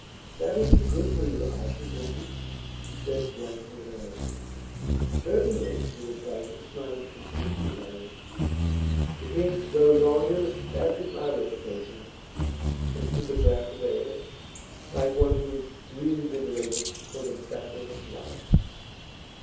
'That'll be good for you, Alfred, won't it?' she said, glancing at her husband. 'Certainly,' he replied, with a smile of contemptuous irony. 'If Hinks goes on, he'll establish my reputation.' And he took a draught of ale, like one who is reinvigorated for the battle of life.